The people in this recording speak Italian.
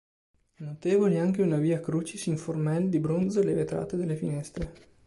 Notevoli anche una via Crucis in formelle di bronzo e le vetrate delle finestre.